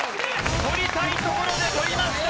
取りたいところで取りました。